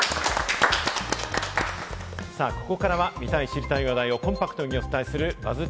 ここからは見たい、知りたい話題をコンパクトにお伝えするＢＵＺＺ